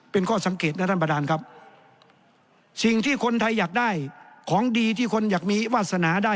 เป็นข้อสังเกตนะท่านประธานครับสิ่งที่คนไทยอยากได้ของดีที่คนอยากมีวาสนาได้